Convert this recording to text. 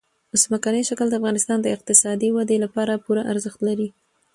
ځمکنی شکل د افغانستان د اقتصادي ودې لپاره پوره ارزښت لري.